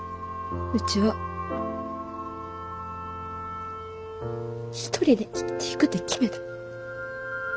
うちは１人で生きていくて決めた。